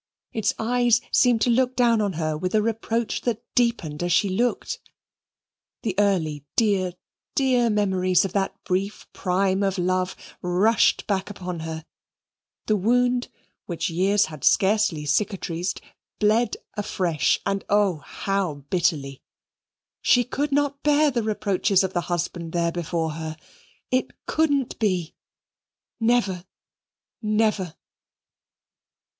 Its eyes seemed to look down on her with a reproach that deepened as she looked. The early dear, dear memories of that brief prime of love rushed back upon her. The wound which years had scarcely cicatrized bled afresh, and oh, how bitterly! She could not bear the reproaches of the husband there before her. It couldn't be. Never, never.